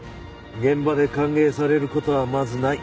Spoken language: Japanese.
現場で歓迎される事はまずない。